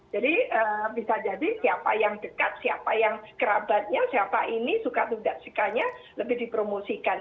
jadi bisa jadi siapa yang dekat siapa yang kerabatnya siapa ini suka tidak sukanya lebih dipromosikan